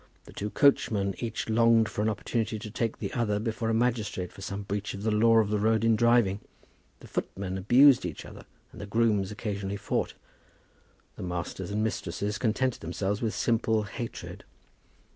The two coachmen each longed for an opportunity to take the other before a magistrate for some breach of the law of the road in driving. The footmen abused each other, and the grooms occasionally fought. The masters and mistresses contented themselves with simple hatred.